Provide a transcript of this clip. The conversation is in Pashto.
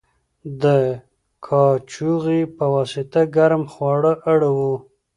د کاچوغې په واسطه ګرم خواړه اړوو.